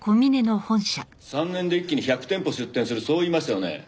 ３年で一気に１００店舗出店するそう言いましたよね。